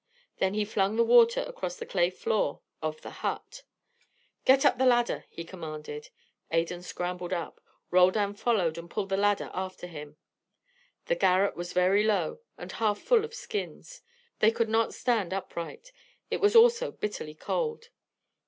Then he flung the water across the clay floor of the hut. "Get up the ladder," he commanded. Adan scrambled up. Roldan followed, and pulled the ladder after him. The garret was very low, and half full of skins. They could not stand upright. It was also bitterly cold.